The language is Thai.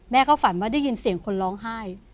เขาฝันว่าได้ยินเสียงคนร้องไห้